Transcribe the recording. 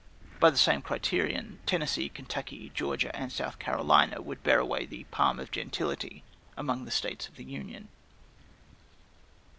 By the same criterion, Tennessee, Kentucky, Georgia and South Carolina, would bear away the palm of gentility among the States of the Union.